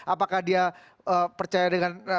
apakah dia percaya dengan